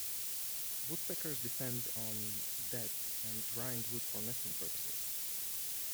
Woodpeckers depend on dead and drying wood for nesting purposes.